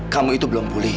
kamu itu belum pulih